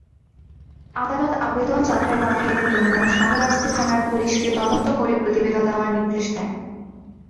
আদালত আবেদন যাচাই-বাছাইয়ের জন্য শাহরাস্তি থানার পুলিশকে তদন্ত করে প্রতিবেদন দেওয়ার নির্দেশ দেন।